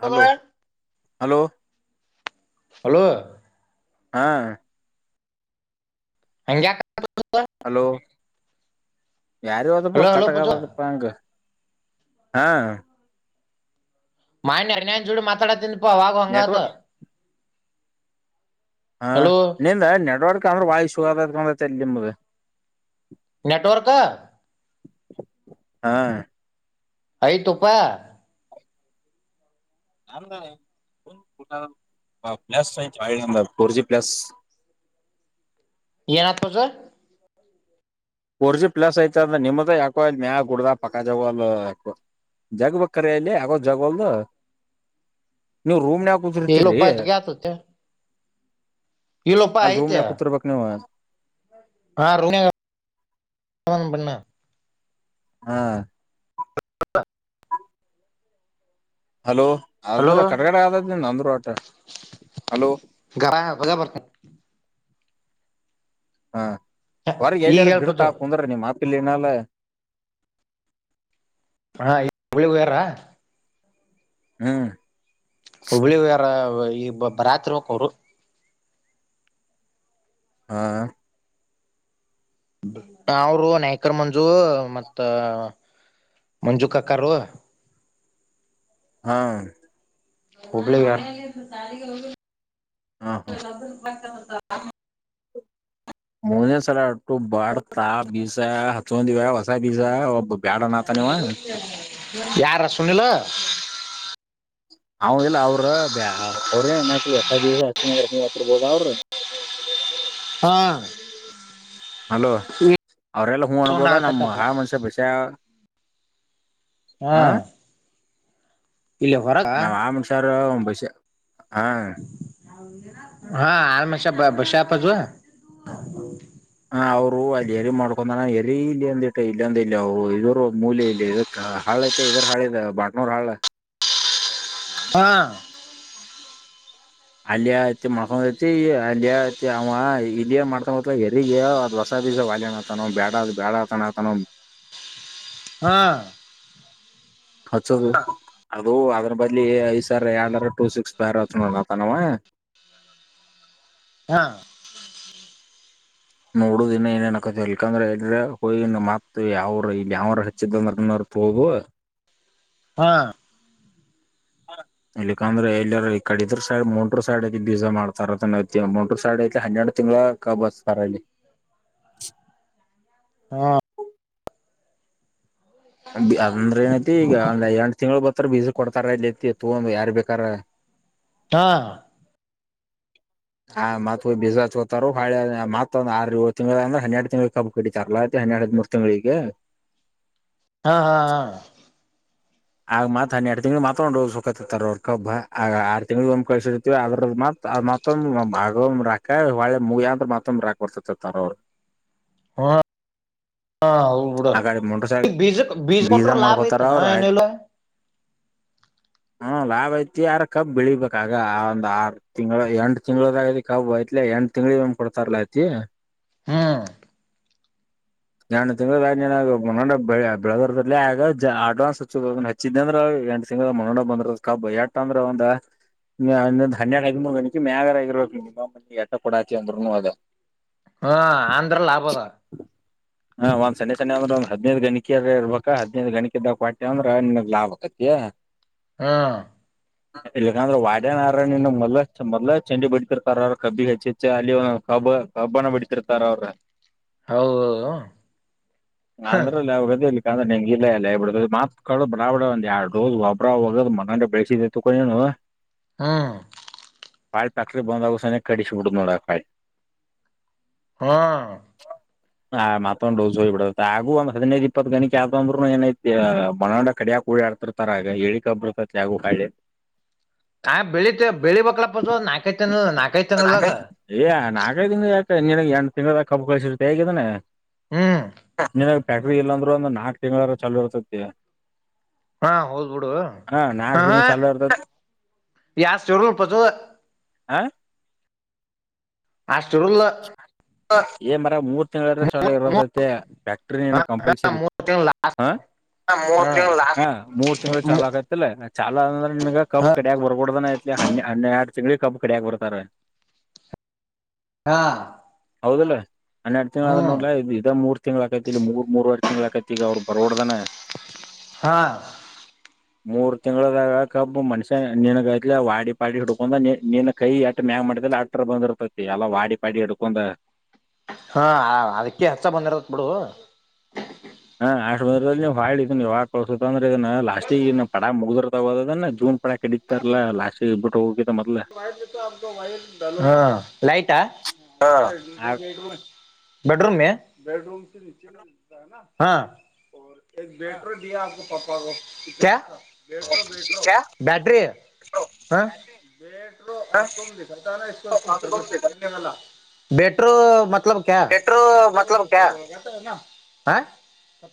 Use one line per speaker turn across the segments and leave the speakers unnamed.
ಹಳ
hello hello
hello
ಹಾ
ಅಗೆ
hello ಯಾರಾವದಪ್ಪ
ಹಲೋ
ಕಟ
ಹಲೋ ಪೂಜು
ಕದಪ್ಪಾ ಅಂಗ ಹಾ
ಮಾನ್ ಅನಾಯನ್ ಜೂಡಿ ಮಾತಾಡ ತಿಿಂದಪ ಆಾಗ ಹಂಗತ
ನೆಟ್ವರ್ಕ್ ಹಾ ನಿಂದ ನೆಡ್ವರ್ಕ್ ಅಂದ್ರೆ ವಾಯ ಶುದಕಂದ ನಿಮ್ದ
ನೆಟ್ವರ್ಕ
ಹಾ
ಆಯ್ತಪ್ಪಾ
ನಮ್ದನೆ ಕ ಪ್ಲಸ್ ಚ ನ ಫರ್ ಜಿ ಪ್ಲಸ್
ಎನಾಥೋಸ
ಫೋರ್ ಜಿ ಪ್ಲಸ್ ಐತ ಅಂದ್ರ ನಿಮ್ದ ಯಾಕೋ ಮ್ಯಾ ಗುಡ್ದ ಪಕ್ಕ ಜ ಯಾಕೋ ಜಗ್ ಬರ ಇಲ್ಲಿ ಯಗೋ್ ಜಗಲ್ದ ನೀವು ರೂಮ ಮನ್ಯುದುರ್ತರಿರಿ
ಇಲ್ಲಪ್ಪ ಜಗ ಆತತೆ ಇಲ್ಲಪ್ಪ
ಅಲ್
ಐತೆ
ರೂಮ್ಡ ಕುೂತ್ರ್ಬೇಕಕ್ ನೀವು
ಹಾ
ಹಾ ಹಲೋ
ಹಲೋ
ಅದಂದ್ರೆ ಕಡಗಡೆ ಆದದ ನ
ಗರ ಬಜಾ ಬರ್ತ
ಹಾ ಹೊರಗೆ
ಈಗ
ಎಲ್ಲಿಯಾರ ಗಿಡತ
ಹೇಳ್ಪದು
ಹಾಕ ಅಂದ್ರ ನೀಮ್ ಮಾತ್ರ ಪಲೇನ
ಹಾ ಈ ಹಳಿ ಬೇರ
ಹ್ಮ್
ಹುಬ್ಬಳಿಾರ ಈ ಬರಾತ್ರಿ ಹಕ್ ಅವರು
ಹಾ
ಅವರು ನಾಯ್ಕರ್ ಮಂಜು ಮತ್ತ ಮಂಜು ಕಕಾರ ರುವ
ಹಾ
[unintelligible]
ಹಾ ಹಾ
ಹ
ಮೂನೇಸರ ಅಟ್ಟು ಬಾಡ್ ತಾ ಬೀಸ ಹಚ್ಕೊಂಡಿವ ಹೊಸ ಬೀಸ ಒಬ್ಬ ಬ್ಯಾಡನತಾನವ
ಯಾರ ಸುನೆಲ
ಅವ ಇಲ್ಲ ಅವ್ರ ಬ ಅವ್ರ ಏನ್ ಹಾಕಲ್ವಸಬ ಅಚ್ಚುನಂದ್ರ ಹ್ತ್ತರ್ಬೋದ ಅವ್ರರು
ಹಾ
ಹಲೋ ಅವ್ರಲ್ಲ ಹೂ
ಸೌಂಡ್
ಅನ್ಬೋದ ನಮ್ಮ್
ಹಾಕತ್ತಪ್ಪ
ಹಾಳ ಮನ್ಸ್ಯ ಬಸ
ಹ್ಮ ಇಲ್ಲ ಹೊರಗಾ
ಬಷೆ ಹಾ
ಹಾ ಹಮಶಾ ಬಸಾಪಜುವ
ಹಾ ಅವ್ರು ಅಲ್ಲಿ ಎರಿ ಮಾಡ್ಕೊಂಡಾನ ಎರಿ ಇಲ್ಲಿ ಅಂದ ಇಟ್ಟ ಇಲ್ಲ ಅಂದ ಇಲ್ಲ ಇದರು ಮೂಲ್ ಇಲ್ಲ ಇದಕ್ಕ ಹಾಳ ಐತೆ ಇದ್ರ ಹಾಳದ ಬಾಟ್ನೂರ್ ಹಾಳ
ಹಾ
ಅಲ್ಲಿಯ ಐತಿ ಮಾಡ್ಕೊ್ಐತಿ ಅಲ್ಲಿಯ ಐತಿ ಅವ ಇಲ್ಲಿಯ ಮಾಡ್ಕೊಂಡ್ ಎರಿಗ ಅದ್ ಹೊಸ ವಿಯನತಾನ ಬೇಡ ಬೇಡತಾನತಾನ
ಹಾ
ಹತ್ತುದು ಅದು ಅದ್ರ ಬದ್ಲಿ ಈ ಸರ್ ಏಂದ್ರ ಟೂ ಸಿಕ್ಸ್ ಬ್ಯರ್ ನೋಡತನವ [unintelligible]
ಹಾ
ನೋಡುದ ಇನ್ನ ಏನೇನಕ ಇಲ್ಕಂದ್ರ ಹೇಳ್ರ ಹ ಮತ್ ಯಾವರು ಇ ಯಾವ್ರ ಹೆಚ್ಚಿದಂದ್ರ ಪೋಗುವ
ಹಾ
ಇಲ್ಲಕ್ಕಂದ್ರೆ ಎಲ್ಲ ಈ ಕಡಿದ ಸೈ ಮುಂಟರು ಸೈಡ್ ಬೀಜಾ ಮಾಡ್ತಾರ ಮುಂಟರು ಸೈಡ್ ಹನ್ನೆಡು ತಿಂಗಳ ಕಬಲ್ಲಿ
ಹಾ
ಅಂದ್ರೆ ಏನಐತಿ ಈಗ ಒಂದ್ ಎರಂು ತಿಂಗಳು ಬರ್ ಹ ಬೀಜ ಕೊಡ್ತಾರ ಇಲ್ಲಿತಿ ತ ಯಾರ್ ಬೇಕಾರ
ಹಾ..
ಹ ಮತ್ ಬಿಸ್ಾ ಹೋತಾರರು ಹಳೆ ಮತ್ತೊಂದ ಆ ತಿಂಗಂಳ ಅಂದ್ರೆ ಹನ್ನೆರಡು ತಿಂಗ್ಳ ಹಬ್ಬು ಕಡಿತಾರಲ್ಲ ಹನ್ನೆ ಎಡು ಹದ ಮೂರು ತಿಂಗಳಿಗೆ
ಹಾ ಹಾ ಹಾ
ಆಗ ಮತ್ ಹನ್ನೆರಡು ತಿಂಗ್ಳ ಮಾತ್ರ ಒ್ಕತ್ತತ್ತರ್ ಅವರ್ಕಬ್ಬ ಆರ್ ತಿಂಗ್ಳ ಒಂದ್ ಕಳಸಿರ್ತತಿವಿ ಅದ್ರ ಮಾತ್ರತ್ ಮತ್ತೊಂದ ಭಾಗ ರಾಕ ಹೊಳೆ ಮುಗಿ ಅಂದ್ರ ಮತ್ತೊಂದ ರಾಕ್ ಬರ್ತತಿತಾರ ಅವರು
ಹ ಹಾ ಹೌಡ
ಆ ಕಡೆ ಮುಂಡ್ರಸಾಗ
ಬೀಜ ಬೀಜ ಮಟರ್ ಲಾಭ ಆಐತ ನ ಎನಲ
[unintelligible] ಹ್ಮ ಲಾಭ ಐತಿ ಯಾರ ಕಬ್ಬ ಬೆಳಿಬೇಕಗ ಒಂದ ಆರು ತಿಂಗಗಳು ಎಂಟು ತಿಂಗಳದಗತಿ ಕಬ್ಬ ಐತ್ಲ ಎಂ ನ ತಿಂಗಗಳಿ ಮ್ ಕೊಡ್ತಾರಲಾ ಐತಿ
ಹ್ಮ್
ನಾನು ತಿಂಗ ಬೆಳಗರ್ದ ಆಗ ಅಡ್ವಾನ್ಸ್ ಹಚ್ಚಿದ್ದಂದ್ರ ಎಂಸಂಗ ಮನೋೊಂಡ ಬಂದ್ರ ಕಬ್ಬ ಎಟ ಅಂದ್ರ ಒಂದ ್ ಹನ್ನೆರಡು ಹದಿಮ ಮೂರ್ ಗಣಿ ಮ್ಯಾಗಾರ ಇರ್ಬೇಕ ನಿಮ್ಮನಿ ಎಟ್ಟ ಕೊಡಾತಿ ಅಂದ್ರುನು ಅದ
ಹಾ ಆಂಧ್ರ ಲಾಭದ
ಹಾ ಒಂದ್ ಸೆ ಅಂದ್ರಂದ ಹದ್ೈದ ಗಣಿಕಿರ ಇರ್ಬೇಕ ಹದಿನೈದು ಗಣಿ ಇದದಾಗ ಂದ್ರ ಇನ್ನ ಲಾಭ ಆಕತಿಾ
ಹಾ
ಇಲ್ಲಂದ್ರ ವಾಡ್ಯನಾರನು ಮೊ ಮೊದಲ ಚಂಡಿ ಬಿಡ್ತಿರ್ ಕ ಕಬ್ಬಿ ಹೆಚ್ಚಿ ಹೆಚ್ಚ ಅ ಕಬ ಕಬ್ಬಾನ ಬಡತರ್ತಾರ ಅವ್ರ
ಹೌದೌದು ಹ್ಮ್
ಅಂದ್ರಲ್ಲಗದ ಇಂದ್ರೆ ನಿಂಗಗೆ ಇಲ್ಲ ಎಲ್ಲ ಹೇಬಿಡ ಕಳ ಬಡಾ ಬಡ ಒಂದ್ ಎರಡು ರೋ್ ಒಬ್ಬ್ರ ಹೋಗೋದು ಮಗಂಡ ಬೆಳೆಸಿದ ತಕೊಂಡನು
ಹಾ್
ಪಾಳ್ ತಕ್ತಿ ಬಂದಾವಸ್ಥಾನ ಕಡ ಚು ಮುಡತಡ ಪಾಾಯ
ಹಾ
ಹ ಮತ್ತೊಂದ್ ಡೋಸ್ ಹೋಗಿ ಬಿಡುತ್ತೆ ಹಾಗು ಒಂದ ಹದಿನೈದು ಇಪ್ಪತ್ ಗಣಿ ಆದೊಂಬ್ರರುನು ಏನೈಐತಿ ಬನಂಡ ಕಡಿಯಕ ಕೂಳ ಆಡ್ತಿರ್ತಾರ ಆಗ ಹೇಳಿಕಬ್ಬರ್ತೈ ಯಾಗು ಕಾಳೆ
ಆಾ ಬೆಳಿಿತ ಬೆಳಿಕ್ಲಪ್ಪ ನಾಕತ
ಲ್ ಯ ನಾಲ್ಕೈದಿಂದ ಯಾಕ ನಿನ ಎಂಂಡ ತಿಂಗಗಳ ಕಬ್ು ಕಳಸರುತ್ತ ಹೇಗಿದಾನೆ
ಹ್ಮ್
ನಿನ ಫ್ಯಾಕ್ಟ್ರಿ ಇಲ್ಲಾಂದ್ರೆ ಒಂದು ನಾಲ್ಕಕ್ ತಿಂಗಳಾರ ಚಾೂ ಇರ್ತೈತಿ
ಹಾ ಹೋದ್ಬಿಡು
ನಾಕ್
ಹ
ತಿಂಗಳ ಚಲೋ ಇರ್ತತಿ
ಯಸ್ರು ಉಪಸು
ಹ
ಹಷ್ಟ
ಎ ಮ ಮೂ ಚಲ
ಮೂರ್
ಇರತ್ತೆ
ಹ
ಫ್ಯಾಕ್ಟ್ರ
ಹ
ಕಂಪಲ್ಸರಿ
ಮೂರ್ ತಿಂಗಳ ಲಾಸ್ಟ್
ಹಾ ಮೂ
ಹ
ಹ ಮೂರ್ ತಿಂಗಳು ಚಾಲ ಆಗತಿಲ್ಲ ಚಾಲ ಅಂದ್ರೆ ನಿಮ
ಹ
ಕಪ್ ಕಡಿಯಾಗ ಬರ್ಬಡ್ದ ಐತ್ಲಿ ಹ ಹೆ ಚಂಗಡಿ ಕಬ್ಬ ಕಡಿಯಕ್ ಬರ್ತಾರೆ
ಹಾ
ಹೌದಲ್ಲ ಹನ್ನೆರಡು ತಿಂಗ್ ಆದ್ ನೋಡ್್ರ ಇದ ಮೂರ್ ತಿಂಗ್ ಆಕೈತಿ ಇಲ್ಲಿ ಮೂರ್ ಮೂರ್ವರ್ಷ ತಿಂಗಳಕೈತಿ ಈಗ ಅವ್ರು ಬರೋಡ್ದಾನ
ಹಾ
ಮೂರ್ ತಿಂಗಗಳದಾಗಕಬ್ ಮನ್ಷ್ಯ ನೀನ್ಗೈತ್ಲ ವಾಡಿ ಪಾಡಿ ಹುಡ್ಕೊಂಡಂದ ನೀನ್ ಕೈ ಎಟ ಮ ಹ ಮಾಡ ಆಡಕ್ಟರ್ ಬಂದಿರ್ತೈತಿ ಎಲ್ಲ ವಾಡಿ ಪಾಡಿ ಹಡ್ಕೊಂಡ್
ಹಾ ಅದಕ್ಕೆ ಹಸ ಬಂದಿರತ್ ಬಿಡು
ಹ ಆ ಹಾಳ ಇದ ಯಾವಾಗ ಕಳ್ಸ ಅಂದ್ರೆ ಇದ ಲಾಸ್ಟಗ ಪಡ ಮುಗಿದಗೋದನ್ ಕಡಿತಾರಲ್ಲ ಲಾಸ್ಟ್ ಇಬಿು ಹೋಗ
ವ ಹ ಲೈಟ್ ಆ
ಹಾ ಆ
ೂಮ ಬೆಡ್ ರೂಮ ಬೆೇಡ್ ರೂಮ ಸಿ ನಿಚೆ ಮಾ ಹ ಬಟ ಪ ಕ್ಯಾ ಬ್ಯಾಟ್ರ ಹ ಕ ಬಟರು ಮತ್ತ ಮ
ವೆಟ್ರೋ ಮತ್ಲಬ್ ಕ್ಯಾ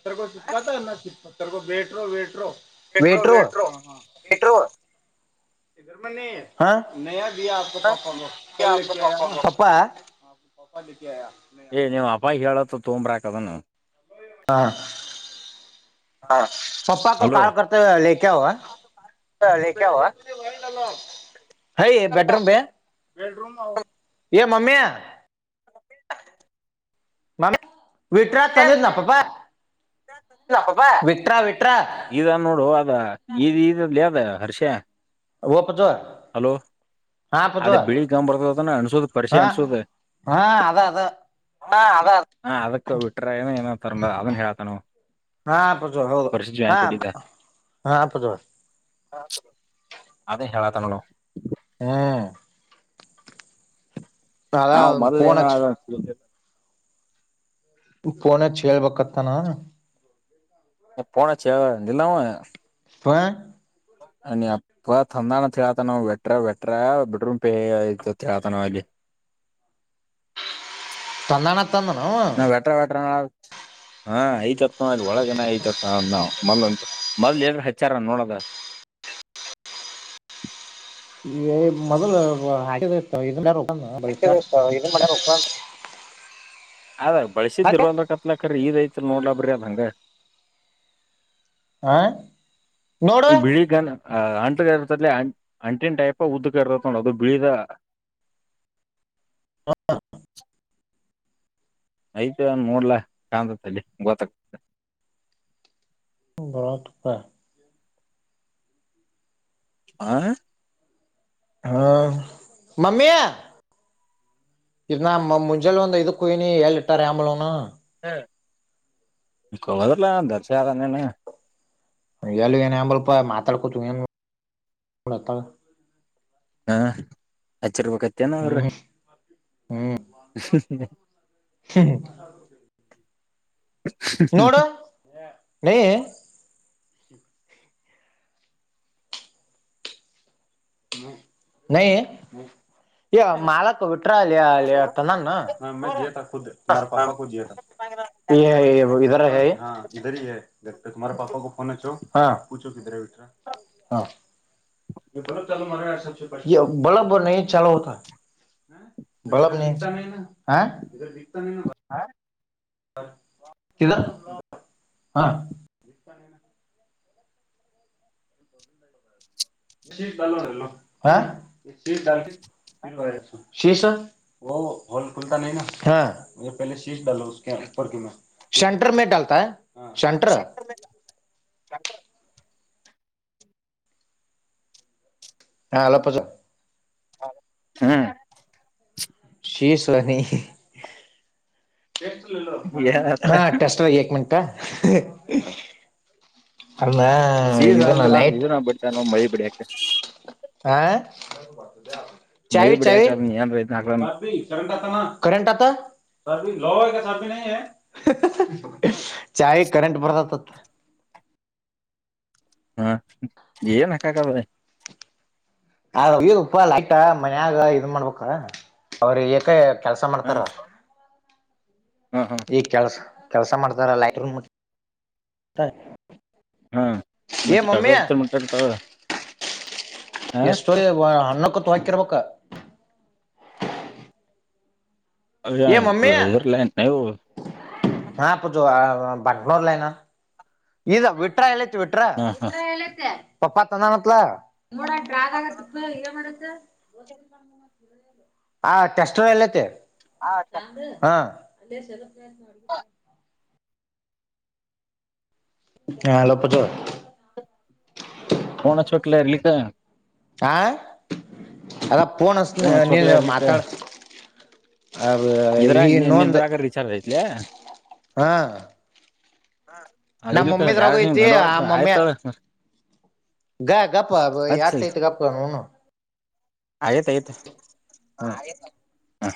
ಸರ್ಗೋ ಚಿಕ್ಕಾ ಚಿ ಸರ್ಗೋ ಬೇಟ್ರೋ ವೇಟ್ರೋ
ವೆಟ್ರೋ
ವೇಟ್ರರು
ವೆಟ್ರೋ ವೆಟ್ರೋ
ಇ ಮ ನೀ ಹ ನಯ ಪಾಪಾ ಕಲ್ಕ ಆಯ ಪಾಪಾ ಪಾಪಾ
ಏ್ ನೀವ್ ಅಪ್ಪಾಯ ಹೇಳತ್ತ ತೊಂಬ್ರಾಕ್ದನು
ಹಾ ಅಪ್ಪಾ ಕೊ
ಹಲೋ
ಕೊಲ್
ಲೇಖವ
ಹ ಬೆೇಡರುೂಮ ಬಮ ಯ ಮಮ್ಮಿ ಮಾಮ ವಿಟ್ರ ಚಂದಿದ್ದ ನ ಪಪಾ
ಇದಾ ನೋಡುುವ ಅದ ಇ ಇದಲ್ದ ಹರ್ಷ
ಒಪ್ಪತ
ಹಲೋ ಅದೇ ಬಿಳಿಗ್ ಗಂಬ್ ಬರ್ತದದಾನ ಅನ್ಸೋದ ಪರಿಷೆ
ಹಾ
ಅನ್ಸೋದ
ಹಾ ಅದ ಅದ
ಹದ ಹ ಅದಕ್ಕ ಬಿಟ್ರನ ಏನ ತರ್ ಅದನ್ ಹೇಳ್ತಾನವು
ಹಾ ಪ್ರಜೋರ ಹೌದು ಹಾ ಹಾ ಪ್ರಜೋರ
ಅದೇ ಹೇಳತ ನೋ
ಹ್ಮ್ ಅದ
ನಾವ್ ಮೊದ್ಲು
ಫೋನ್ ಹಚ್ಚಿ
ಏನಾದಿಲ್ಲ
ಪೋನಚ್ ಹೇಳ್ಬತ್ತಾನ
ಪೋಣ ಚಿಯ ಇಲ್ಲಾಮ
[unintelligible]
ನೀಮ್ಮ್ ಅಪ್ಪ ತಂದನ [unintelligible] ವಟ್ರ ವಟ್ರ ಬೆಡ್ರೂಮ್ [unintelligible] [inaudible]
[unintelligible]
[unintelligible] ಹಾ ಐತ್ತ್ ನ ಒಳಗನ ಐತ್ತ್ ಮೊದ್ಲು ಮೊದ್ಲು ಏನ ಹಚ್ಚಾರ ನೋಡದ [inaudible]
ಮೊದಲು [unintelligible]
ಎಷ್ಟತ್ತು ಇನ್ ಮನೆ ಹೋಗ ಅದಾಗ ಬಳ್ಸಿದ್
ಮತ್ತೆ
ಇರಂದ್ರ ಕತ್ಲಕ್ರೀ ಇದ್ ಐತ ನೋಡ್ಲಬ್ರಿ ಅದ್ ಹಂಗ
ಹಾ
[unintelligible] ಹಾ ಅಂಟು ಕದಲ್ಲಿ ಅಂಟಿನ ಟೈಪ್ ಉದ್ದ ಇರತೈತಿ ನೋಡು ಅದು ಬಿಳಿದ [inaudible] ಆಯ್ತ ಒನ್ ನೋಡ್ಲಾ [unintelligible]
[unintelligible]
ಹಾ
ಹಾ ಮಮ್ಮಿ ಇದು ನಾ ಮುಂಜೆಳೆ ಒಂದು ಐದುಕ್ಕೆ ಹೋಗ್ಯಾನಿ ಎಲ್ಲಿ ಇತ್ತಾರೋ ಏನೋ
[unintelligible]
ಎಲ್ಲ ಎನ ಆಂಬಳಪ ಮಾತಡಕತು [unintelligible]
ಹಾ ಹಚ್ಚರ್ಬೇಕತ್ತೇನ ಅವ್ರ
ಹ್ಮ್ ಹ್ಮ್ [unintelligible] ನೋಡು [unintelligible] ನಹಿ [unintelligible] [unintelligible] ಹಾ
[inaudible]
[unintelligible] [unintelligible] [unintelligible] ಹಾ [unintelligible] [unintelligible] ಸೆಂಟರ್ [unintelligible]
[unintelligible]
ಹಾ ಹಲೋ ಪ್ರಜು
ಹ್ಮ್
[unintelligible] [unintelligible]
ಏ
ಅಲ್ಲಾ
ಸೀಸ
ಇದನ್ನ
ಅಂದ್ರ
ಲೈಟ್
ಇದನ್ನ ಬಿಡ್ತಾನ ಮಳಿ ಬಿಡಿಯಕ
ಹಾ [unintelligible] [unintelligible] [unintelligible]
ಮಳಿ ಬಿಡಿಯಾಕದ ಏನ್ ರೈತನ ಹಾಕ್ಲನ್
ಚಾಹಿಯೇ ಕರೆಂಟ್ ಬರ್ತಾತಂತೆ
ಹಾ ಏನ್ ಹಕ್ಕಕದ
ಉಪ್ಪ ಲೈಟ್ ಮನ್ಯಾಗ ಇದ್ ಮಾಡ್ಬೇಕ ಅವ್ರಿಗೆ ಯಾಕ ಕೆಲಸ
ಹ
ಮಾಡ್ತಾರ
ಹ ಹ
ಈಗ ಕೆಲ್ಸ ಕೆಲ್ಸ ಮಾಡ್ತಾರ [unintelligible]
ಹಾ
ಏ ಮಮ್ಮಿ
[unintelligible] ಹ
ಎಷ್ಟೋ ಅಣ್ಣಕ್ಕೊತ್ ಹಾಕಿರ್ಬೇಕ ಮಮ್ಮಿ
ಇದ್ರಲ್ಲ ನೀವು
ಹಾ ಪ ಬಟ್ನೂರ್ ಲೈನಾ ಈ ವಿಟ್ರ ಎತಿ
ಹಾ ಹಾ
ವಿಟ್ರಟ್ರ ಪಪಾ ತನ್ನಾನಲ ನಡ ಆ ಟೆಸ್ ಎಲ್ಲತೆ ಹ ಹಾ ಅಲೋ ಪೂಜಾ
ತ
ಹಾ ಅದ ಪೋನ
ಫೋನ್ ಹಚ್ಬೇಕಲ
ನೀನು
ಇರ್ಲಿಕ್ಕ
ಮಾತಾಡ್ ಅ ಈ
ಇದ್ರಾಗ
ಇನ್ನೊಂದು
ನಿಂದ್ರಾಗ ರಿಚಾರ್ಜ್ ಐತ್ಲೆ
ಹಾ ನಮ್ಮ
ಇಲ್
ಮಮ್ಮಿದ್ರಾಗೂ
ಡೈರೆಕ್ಟ್ ಹಿಂಗ್
ಐತಿ ಆ
ನಡವರ್ಕ್
ಮಮ್ಮಿ
ಆಯ್ತಾಳ
ಗ ಗಪ್ಪ ಆಟೈಐತ ಗಪ್ಪನ್ನ
ಆಯ್ತ ಆಯ್ತು
ಹಾ.
ಹ